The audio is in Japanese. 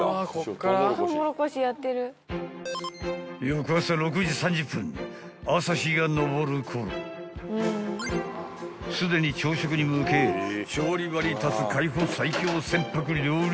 ［翌朝６時３０分朝日が昇るころすでに朝食に向け調理場に立つ海保最強船舶料理人が］